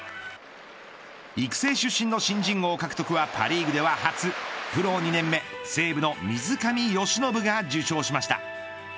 育成出身の新人王獲得はパ・リーグでは初プロ２年目西武の水上由伸が受賞しました。